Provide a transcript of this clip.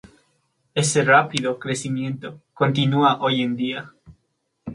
Ese rápido crecimiento continúa hoy en día.